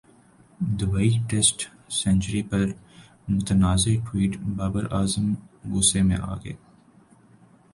Dubai test century پر متنازع tweet Babar Azam غصہ میں اگئے